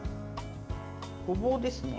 ごぼうですね。